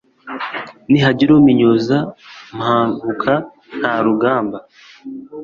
ntihagira umpinyuza Mpabuka nta rugamba